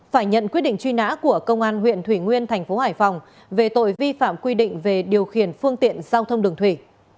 phải nhận quyết định truy nã của công an huyện thủy nguyên thành phố hải phòng về tội vi phạm quy định về điều khiển phương tiện giao thông đường thủy